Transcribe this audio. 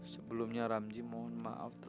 sebelumnya ramji mohon maaf